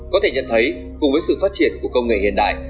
có thể nhận thấy cùng với sự phát triển của công nghệ hiện đại